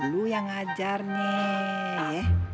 lu yang mengajar nih